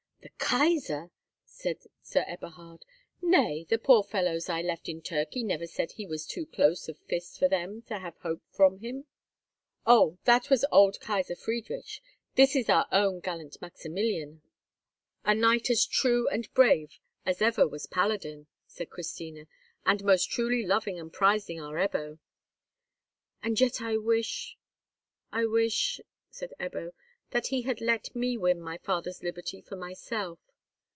"The Kaisar!" said Sir Eberhard. "Nay, the poor fellows I left in Turkey ever said he was too close of fist for them to have hope from him." "Oh! that was old Kaisar Friedrich. This is our own gallant Maximilian—a knight as true and brave as ever was paladin," said Christina; "and most truly loving and prizing our Ebbo." "And yet I wish—I wish," said Ebbo, "that he had let me win my father's liberty for myself."